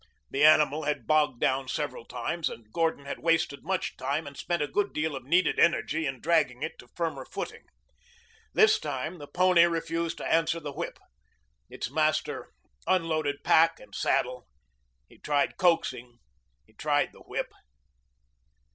The animal had bogged down several times and Gordon had wasted much time and spent a good deal of needed energy in dragging it to firmer footing. This time the pony refused to answer the whip. Its master unloaded pack and saddle. He tried coaxing; he tried the whip.